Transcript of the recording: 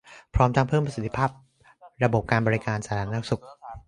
พร้อมทั้งเพิ่มประสิทธิภาพระบบการบริการสาธารณสุข